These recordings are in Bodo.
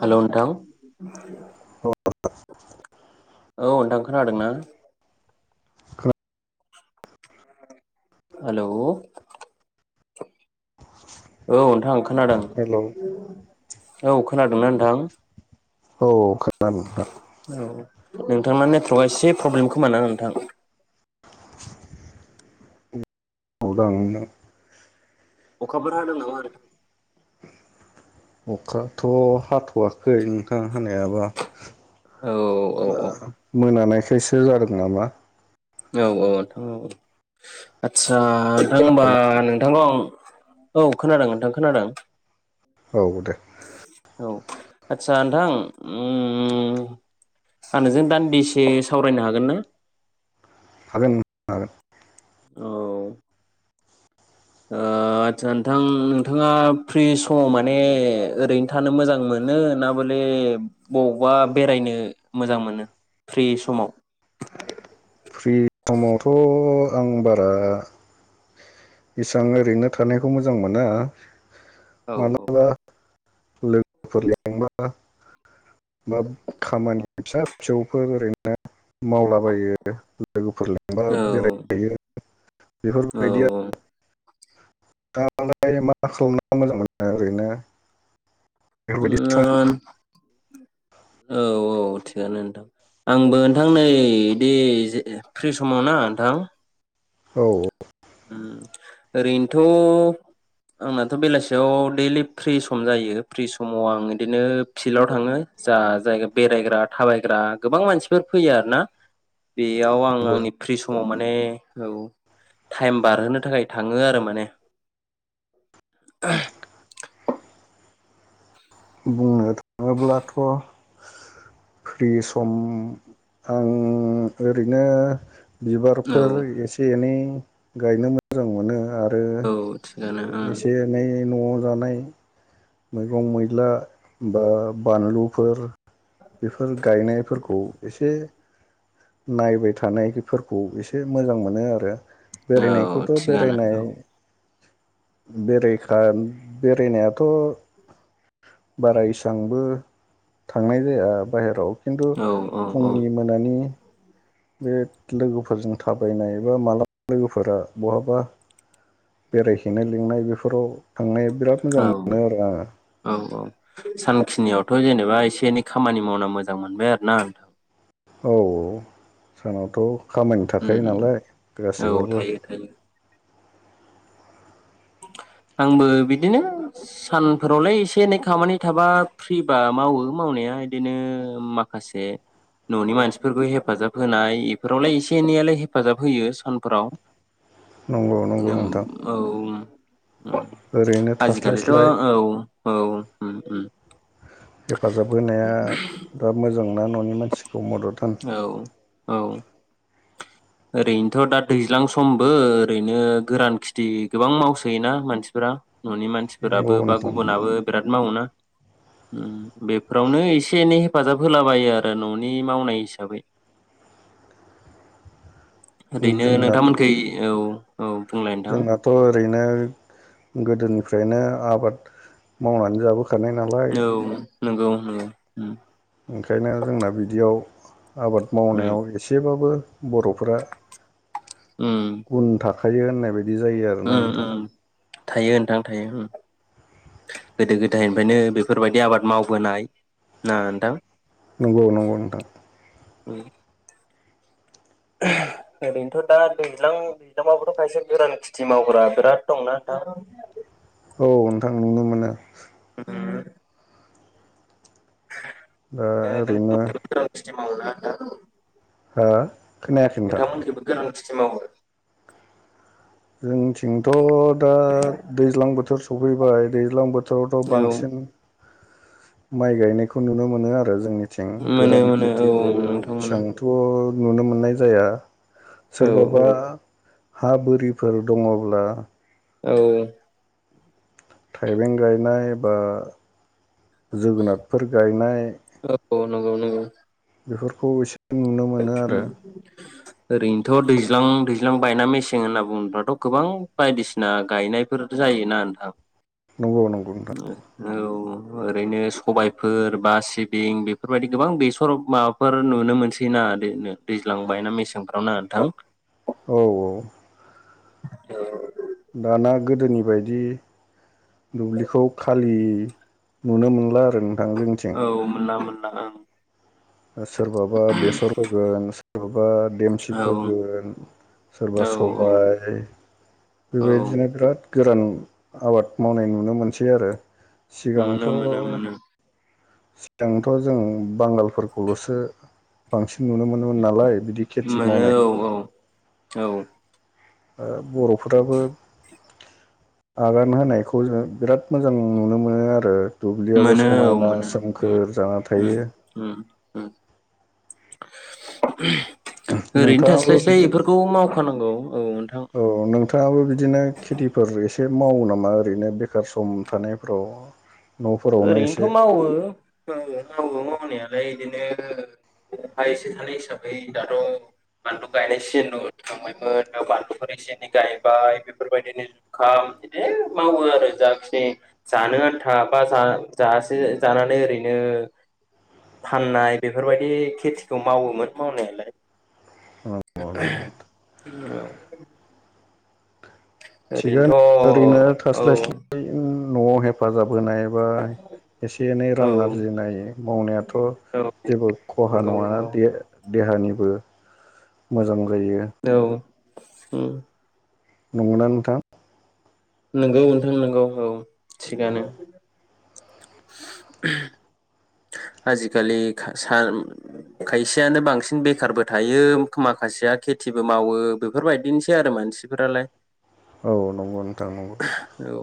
हेलौ नोंथां [unintelligible] औ नोंथां खोनादों ना? हेलौ औ नोंथां खोनादों हेल' औ खोनादोंना नोंथां? औ [unintelligible] नोंथां औ नोंथांना नेटवर्कआ एसे प्रब्लेम खोमा ना नोंथां? [unintelligible] अखाफोर हादों नामा? अखाथ' हाथ'वाखै नोंथां हानायालाय। ओ औ औ मोनानायखाय खायसो जादों नामा? औ औ अनथां हु आत्स सा थां होमबा खोनादोंना नो नोंथां औ खोनादों नोंथां खोनादों औ दे औ आदसा नोंथां ओमम आं नोंजों दान्दिसे सावरायनो हागोन ना? हागोन दा अ ओ आदचसा नोंथां नोंथाङा फ्रि समाव माने ओरैनो थानो मोजां मोनो ना माने बबावबा बेरायनो मोजां मोनो? फ्रि समाव हिद समावथ आं बारा एसां ओरैनो थानायखौ मोजां मोना औ औ माब्लाबा लोगोफोर लेंबा बाब खामानि फिसा फिसौफोर ओरैनो ना मावलाबायो लोगोफोर लेंबा बेराय फायो औ औ नोंथांआलाय मा खालामना मोजां मोनो ओरैनो? बेफोरबायदि सम ओआन औ औ थिगानो नोंथां आंबो नोंथां नै दे फ्रि समाव ना नोंथां औ ओम ओरैनोथ आंनाथ बेलासियाव दैलि फ्रि सम जायो फ्रि समाव आं बिदिनो फिल्डआव थाङो जा जायगा बेरायग्रा थाबायग्रा गोबां मानसिफोर फैयो आरोना बेयाव आं नंगौ। आंनि फ्रि समाव माने औ थाइम बारहोनो थाखाय थाङो आरो माने अब्लाथ फ्रि सम आं ओरैनो औ बिबारफोर एसे एनै गायनो मोजां मोनो आर औ थिगानो ओ एसे ओं एनै न आव जानाय मैगं मैला बा बानलुफोर बेफोर गायनायफोरखौ एसे नायबाय थानायफोरखौ एसे मोजां मोनो आरो औ बेरायनायखौथ थिगानो बेरायनाय औ बेरेखा बेरायनायाथ' बारा इसांबो थांनाय जाया बाहेराव खिन्थु औ औ फुंनि मोनानि बे लोगोफोरजों थाबायनाय एबा मालाबा लोगोफोरा बहाबा बेरायहैनाय लिंनाय बेफोराव थांनो बिराद औ मोजां मोनो आरो आङो। औ औ सानखिनियावथ' जेनेबा एसे एनै खामानि मावना मोजां मोनबाय आरो ना नोंथां। औ सानावथ' खामानि थाखायो उम उम नालाय औ गासैबाबो थायो थायो आंबो बिदिनो सानफोरावलाय एसे एनै खामानि थाबा फ्रिबा मावो मावनाया इदिनो माखासे ननि मानसिफोरखौ हेफाजाब होनाय इफोरावलाय एसे एनैयालाय हेफाजाब होयो सानफोराव। नंगौ नंगौ ओम, नोंथां। आजिखालिथ ओरैनो औ थास्लायस्लाय औ ओम ओम। हेफाजाब होनाया दा मोजां ना ननि मानसि औ औ। ओरैनोथ' दा दैज्लां समबो ओरैनो गोरान खेथि गोबां मावसोयोना मानसिफोरा ननि नंगौ मानसिफोराबो बा नोंथां नंगौ गुबुनाबो बिराद मावोना ओम बेफोरावनो एसे एनै हेफाजाब होलाबायो आरो ननि मावनाय हिसाबै। ओरैनो जोंनाथ' नोंथांमोनखै औ। औ बुंलाय नोंथां औ जोंनाथ' ओरैनो गोदोनिफ्रायनो आबाद मावनानै जाबो गानाय नालाय नंगौ नंगौ ओम ओम। ओंखायनो जोंना बिदियाव आबाद उम मावनायाव एसेबाबो बर'फोरा उम उनखा खायो होननाय बाय बिदि जायो आरोना उम नोंथां। उम थायो नोंथां थायो ओं गोदो गोदायनिफ्रायनो बेफोरबायदि आबाद मावबोनाय ना नोंथां? नंगौ नंगौ नोंथां। उम। ओरैनोथ दा दैज्लां दैज्लांवावबोथ खायसे गोरान खिथि मावग्रा बिराद दंना नोंथां? औ नोंथां नुनो मोनो। [unintelligible] दा नों ओरैनो [unintelligible] हो खोनायाखै नोंथां नोंथांमोनखैबो [unintelligible] जोंथिं थिंथ' दा दैज्लां बोथोर सफैबाय दैज्लां बो थोरावथ' औ बांसिन माइ गायनायखौ नुनो मोनो आरो जोंनिथिं। मोनो गोरान मोनो औ खेथिखौ नोंथां मोनो एसांथ' नुनो मोननाय जाया। औ सोरबाबा हा बोरिफोर दङब्ला औ थाइबें गायनाय बा जोगोनारफोर गायनाय औ नंगौ नंगौ बेफोरखौ एसे नुनो मोनो [unintelligible] आरो ओरैनोथ दैज्लां दैज्लां बायना मेसें होनना बुङोब्लाथ गोबां बायदिसिना गायनायफोर जायोना नोंथां? नंगौ नंगौ नोंथां। औ ओरैनो सबायफोर बा सिबिं बेफोरबायदि गोबां बेसर माबाफोर नुनो मोनसै सैना दै-दैज्लां बायना मेसेंफ्राव ना नोंथां? औ औ औ दाना गोदोनि बायदि दुब्लिखौ खालि नुनो मोनला आ रो नोंथां जोंनिथिं। ना ओं ओ सोरबाबा बेसर फोगोन सोरबा देमसि ओं फोगोन सोरबा औ औ सबाय औ बेबायदिनो बिराद गोरान आबाद मावनाय नुनो मोनसै आरो सिगांथ मोनो मोनो मोनो सिगांथ जों बांगालफोर खौलसो बांसिन नुनो मोनोमोन नालाय बिदि खेथि मोनो मावनायखौ। औ औ औ ओ बर' फुराबो आगान होनायखौ जों बिराद मोजां नुनो मोनो आरो। दुब्लियाबो मोनो औ समायना मोनो ओम सोमखोर जाना ओम थायो। ओम [inaudible] ओरैनो नोंथाङाबो थास्लायस्लाय बिदिनो बेफोरखौ मावखानांगौ औ नोंथां औ नोंथाङाबो बिदिनो खेथिफोर एसे मावो नामा ओरैनो बेखार सम थानायफ्राव? ओरैनोथ मावो ओ मावो मावनाया ओमफ्राय इदिनो हा एसे थानाय हिसाबै दाथ बानलु गायनाय सिजेन दं थांबायमोन बानलुफोर एसे एनै गायबाय बेफोर बायदिनो जुखाम इदिनो मावो आरो जाखिनि जानो आनथा बा जा-जासे जानानै ओरैनो फाननाय बेफोर बायदि खेथिखौ मावोमोन मावनायालाय। [inaudible] थिगानो ओरैनो ओरैनोथ औ। थास्लायस्लाय नआव हेफाजाब होनायबा एसे एनै रां औ आरजिनाय मावनायाथ जेबो खहा नंगौ नङाना नंगौ देहानिबो मोजां जायो। उम। नंगौ ना नोंथां? नोंगौ नोंथां नोंगौ औ। थिगानो। [inaudible] आजिखालि खा-सा-खायसेयानो बांसिन बेखारबो थायो माखासेया खेथिबो मावो बेफोर बायदिनोसै आरो मानसि फोरालाय। औ नंगौ नोंथां नंगौ। औ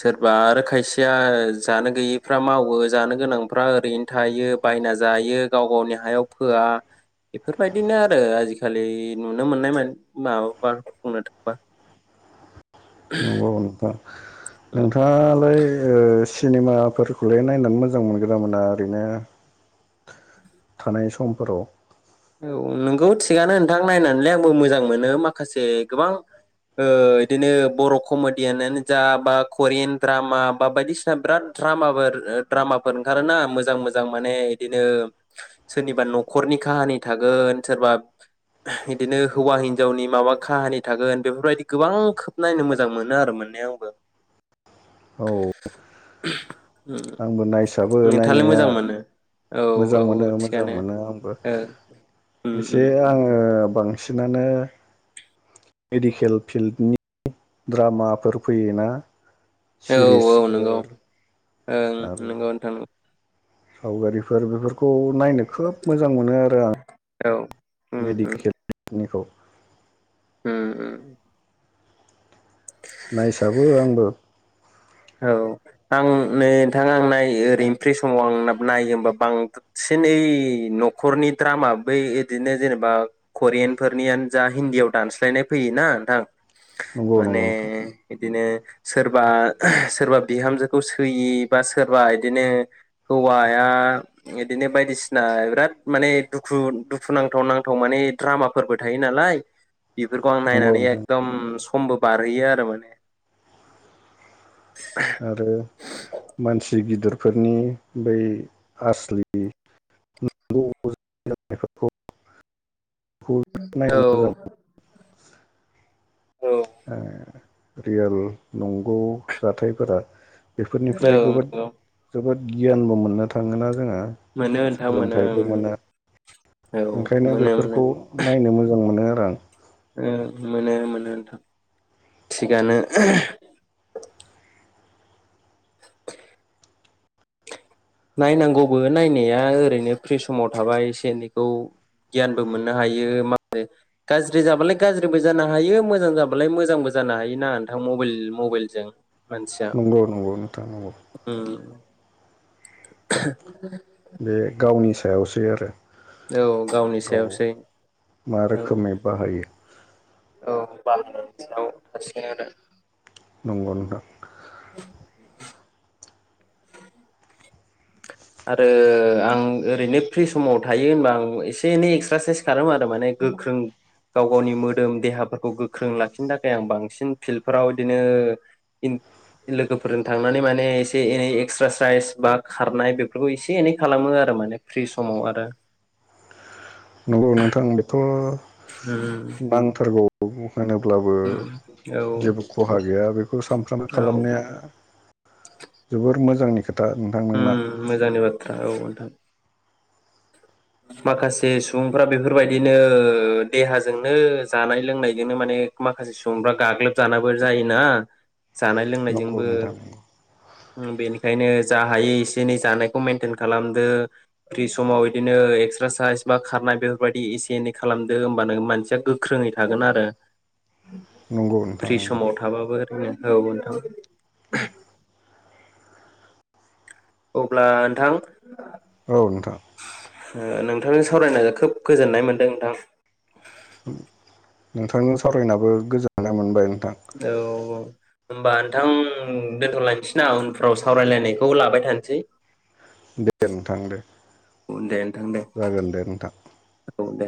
सोरबा आरो खायसेया जानो गैयिफ्रा माव वो जानो गोनांफ्रा ओरैनो थायो बायना जायो गाव गावनि हायाव फोआ इफोर बायदिनो आरो आजिखालि नुनो मोननाय माबाबा बुंनो थाङोबा। नंगौ नोंथां। नोंथाङालाय ओ सिनेमाफोरखौलाय नायनानै मोजां मोनगोन ना मोना ओरैनो? थानाय समफोराव? औ नोंगौ थिगानो नोंथां नायनानैलाय आंबो मोजां मोनो माखासे गोबां ओ इदिनो बर कमेडियानो जा बा करियान द्रामा बा बायदिसिना बिराद द्रामाफोर द्रामाफोर ओंखारोना मोजां मोजां माने इदिनो सोरनिबा नखरनि काहानि थागोन सोरबा इदिनो हौवा हिनजावनि माबा काहानि थागोन बेफोरबायदि गोबां खोब नायनो मोजां मोनो आरो मोननाया आंबो। औ। [inaudible] आंबो नायसाबो नोंथाङालाय नायनाया मोजां मोनो औ मोजां औ मोनो औ मोजां थिगानो मोनो आंबो। ओ उम एसे उम आङो ओ बांसिनानो मेडिकेल फिल्डनि द्रामाफोर फैयोना। औ औ नंगौ सिरिसफोर ओं आरो नोंगौ नोंथां सावगारिफोर बेफोरखौ नायनो खोब मोजां मोनो आरो आं औ उम मेडिकेलनिखौ उम उम नायसाबो आंबो औ आं नै नोंथां आं नायो ओरैनो फ्रि समाव आं नायो होमबा बांसिनै नखरनि द्रामा बै ओदिनो जेनेबा करियानफोरनियानो जा हिन्दीयाव दानस्लायनाय फैयो ना नोंथां नंगौ माने नंगौ नोंथां बिदिनो सोरबा सोरबा बिहामजोखौ सोयि बा सोरबा इदिनो हौवाया इदिनो बायदिसिना बिराद माने दुखु दुखुुनांथाव नांथाव माने द्रामाफोरबो थायो नालाय बेफोरखौ आं नंगौ नायनानै नोंथां एकदम स खमबो बारहैयो आरो माने आरो मानसि गिदिर बेफोरनि बै आसलि [unintelligible] [unintelligible] औ नायनो मोजां औ [inaudible] रियेल नंगौ जाथायफोरा बेफोरनिफ्राय जोबोद औ जोबोद गियानबो मोननो थाङो जोङो मोनो नोंथां मोनो सोलोंथाइबो मोनो औ ओंखायनो मोनो मोनो बेफोरखौ नायनो मोजां मोनो। रां ओं मोनो मोनो नोथां थिगानो नायनांगौबो नायनाया ओरैनो फ्रि समाव थाबाय एसे एनैखौ गियानबो मोननो हायो मा होनो गाज्रि जाबालाय गाज्रिबो जानो हायो मोजां जाबालाय मोजांबो जानो हायो ना नोंथां मबेल मबेलजों। नंगौ नंगौ नोंथां नंगौ। उम [unintelligible] सायावसै आरो। औ गावनि गाव सायावसै। मा औ रोखोमै बाहायो। [unintelligible] नंगौ नोंथां। [inaudible] आरो आं ओरैनो फ्रि समाव थायो होनबा आं एसे एनै एक्सारसाइस खालामो आरो माने गोख्रों गाव गावनि मोदोम देहाफोरखौ गोख्रों लाखिनो थाखाय आं बांसिन फिल्डफोराव बिदिनो लोगोफोरजों थांनानै माने एसे एनै एक्सारसाइस बा खारनाय बेफोरखौ एसे एनै खालामो आरो माने फ्रि समाव आरो। नंगौ नोंथां बेथ' उम [unintelligible] होनोब्लाबो उम औ जेबो खहा गैया बेखौ सानफ्रामबो औ खालामनाया जोबोर मोजांनि खोथ उम्म मोजांनि बाथ्रा औ नोंथां। माखासे सुबुंफ्रा बेफोरबायदिनो ओ देहाजोंनो जानाय लोंनायजोंनो माने माखासे सुबुंफ्रा गाग्लोबजानाबो जायोना। जानाय नंगौ लोंनायजोंबो। नोंथां बेनिखायनो जा हायो एसे एनै जानायखौ मेेनटेन खालामदो फ्रि समाव बिदिनो एक्सारसाइस बा खारनाय बेफोरबायदि एसे एनै खालामदो होमबानो मानसिया गोख्रोङै थागोन आरो। नंगौ नोंथां फ्रि नंगौ समाव थाबाबो ओरैनो। औ नोंथां। अब्ला नोंथां औ नोंथां नोंथांजों सावरायना खोब गोजोननाय मोनदों नोंथां। नोंथांनो सावरायनाबो गोजोननाय मोनबाय। नोंथां औ औ होमबा नोंथां दोनथ'लायनोसैना उनफ्राव सावरायलायनायखौ लाबाय थानोसै। दे नोंथां दे उन दे नोंथां दे जागोन दे नोंथां। औ दे